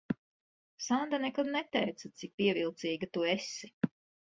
Sanda nekad neteica, cik pievilcīga tu esi.